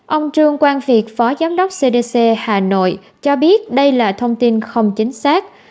ông trương quang việt phó giám đốc cdc hà nội cho biết đây là thông tin không chính xác